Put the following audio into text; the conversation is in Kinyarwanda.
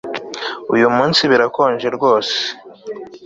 Uyu munsi birakonje rwose